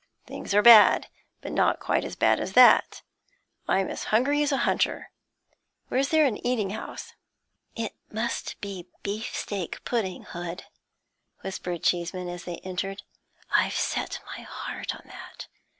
Things are bad, but not quite as bad as that. I'm as hungry as a hunter; where is there an eating house?' They found one at a little distance. 'It must be beefsteak pudding, Hood,' whispered Cheeseman, as they entered. 'I've set my heart on that.